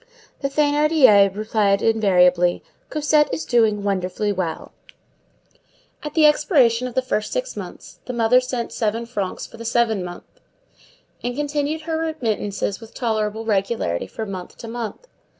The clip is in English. The Thénardiers replied invariably, "Cosette is doing wonderfully well." At the expiration of the first six months the mother sent seven francs for the seventh month, and continued her remittances with tolerable regularity from month to month.